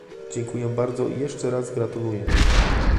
Dziękuję bardzo i jeszcze raz gratuluję